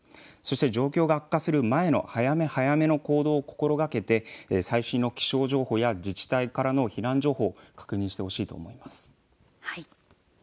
状況が悪化する前の早め早めの行動を心がけて最新の気象情報や自治体からの避難情報を確認してほしいと思います。